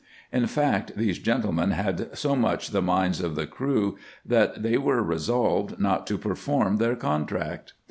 In fact, these gentlemen had so much the minds of the crew, that they were resolved not to perform their contract.